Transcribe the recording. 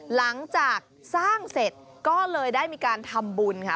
หลังจากสร้างเสร็จก็เลยได้มีการทำบุญค่ะ